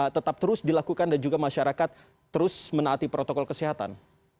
tetap terus dilakukan dan juga masyarakat terus menaati protokol kesehatan